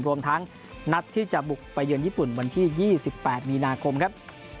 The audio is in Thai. รวมทั้งนัดที่จะบุกไปเยือนญี่ปุ่นวันที่๒๘มีนาคมครับ